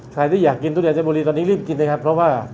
ใครที่อยากกินตู้ยาชนบุรีตอนนี้รีบกินนะครับเพราะว่า